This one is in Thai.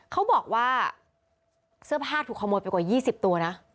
เขาบอกว่าเสื้อผ้าถูกขโมยไปกว่า๒๐ตัวนะ